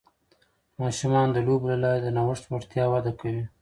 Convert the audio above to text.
ماشومان د لوبو له لارې د نوښت وړتیا وده کوي.